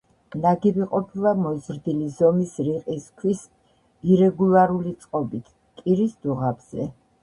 ნაგები ყოფილა მოზრდილი ზომის რიყის ქვის ირეგულარული წყობით, კირის დუღაბზე.